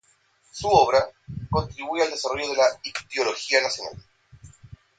Su obra, contribuye al desarrollo de la Ictiología Nacional.